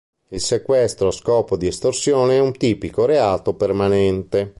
Il sequestro a scopo di estorsione è un tipico reato permanente.